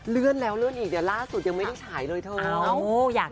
เลื่อนแล้วเลื่อนอีกเดี๋ยวล่าสุดยังไม่ได้ฉายเลยเถอะ